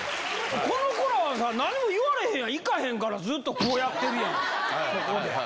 この子らはさ、何も言われへん、いかへんから、ずっとこうやってるやん、そこで。